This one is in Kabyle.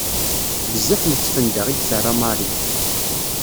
Bezzaf n tfenda i d-terra Marie.